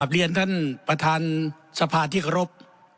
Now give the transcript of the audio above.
หับเรียนท่านประธานสภาธิกรพ